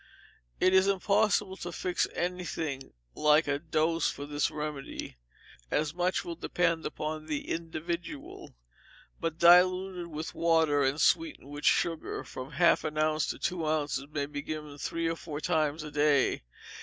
It is impossible to fix anything like a dose for this remedy, as much will depend upon the individual; but diluted with water and sweetened with sugar, from half an ounce to two ounces may be given three or four times a day.